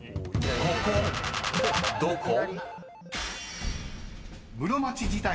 ［ここどこ？］